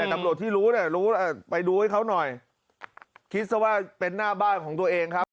แต่ตำรวจที่รู้เนี่ยรู้ไปดูให้เขาหน่อยคิดซะว่าเป็นหน้าบ้านของตัวเองครับ